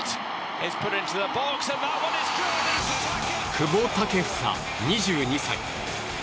久保建英、２２歳。